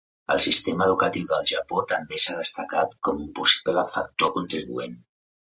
El sistema educatiu del Japó també s'ha destacat com un possible factor contribuent.